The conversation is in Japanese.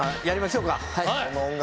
やりましょうか。